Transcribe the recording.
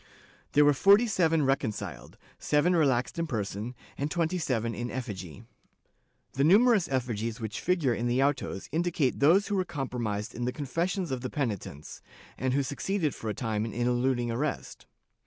There were forty seven reconciled, seven relaxed in person and twenty seven in effigy.' The numerous effigies which figure in the autos indicate those who were compromised in the confessions of the penitents, and who succeeded for a time in eluding arrest.